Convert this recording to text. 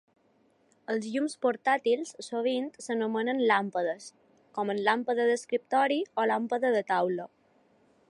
Els llums portàtils sovint s'anomenen "làmpades", com en làmpada d'escriptori o làmpada de taula.